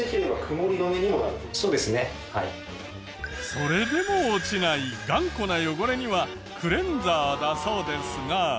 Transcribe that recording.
それでも落ちない頑固な汚れにはクレンザーだそうですが。